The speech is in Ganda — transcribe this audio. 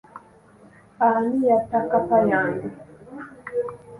Ani yatta kkapa yange.